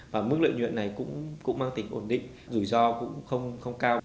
và mức lợi nhuận này cũng mang tính ổn định rủi ro cũng không cao